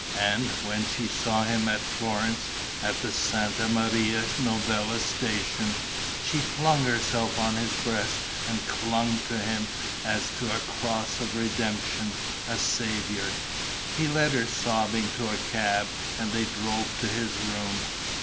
And, when she saw him at Florence, at the Santa Maria Novella Station, she flung herself on his breast and clung to him as to a cross of redemption, a saviour. He led her sobbing to a cab; and they drove to his room.